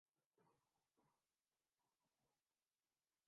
ہمارے دوست اعظم سواتی کو ہی لے لیں۔